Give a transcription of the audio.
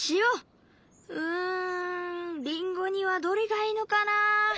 うんりんごにはどれがいいのかな？